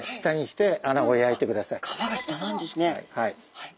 はい。